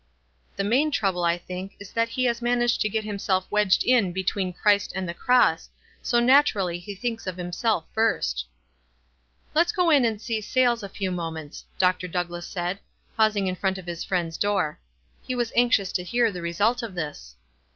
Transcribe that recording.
"The main trouble I think is that he has man aged to get himself wedged in between Christ and the cross, so, naturally, he thinks of him self first." "Let's go in and see Sayles a few moments," Dr. Douglass said, pausing in front of his friend's door. " He was anxious to hear the result of this."